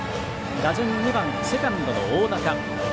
打順２番、セカンドの大仲。